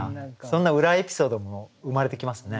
そんな裏エピソードも生まれてきますね。